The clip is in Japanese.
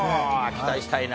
期待したいなぁ。